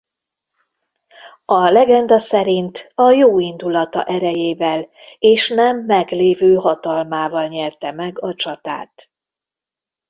A legenda szerint a jóindulata erejével és nem meglévő hatalmával nyerte meg a csatát.